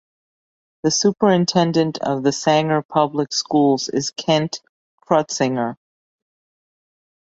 The superintendent of the Sanger Public schools is Kent Crutsinger.